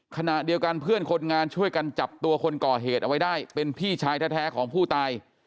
ขณะเดียวกันเพื่อนคนงานช่วยกันจับตัวคนก่อเหตุเอาไว้ได้เป็นพี่ชายแท้ของผู้ตาย